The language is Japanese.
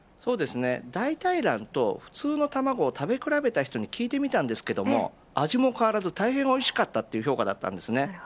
大替卵と普通の卵を食べ比べた人に聞いてみたんですが味も変わらず、大変おいしかったという評価です。